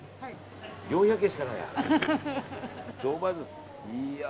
４００円しかないや。